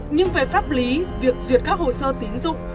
nhưng về pháp lý việc duyệt các hồ sơ tín dụng